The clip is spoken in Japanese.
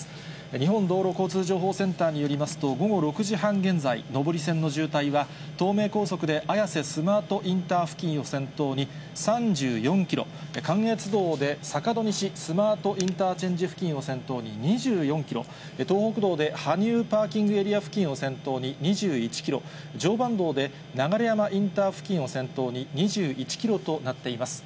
日本道路交通情報センターによりますと、午後６時半現在、上り線の渋滞は東名高速で綾瀬スマートインター付近を先頭に３４キロ、関越道で坂戸西スマートインターチェンジ付近を先頭に２４キロ、東北道で羽生パーキングエリア付近を先頭に２１キロ、常磐道で流山インター付近を先頭に２１キロとなっています。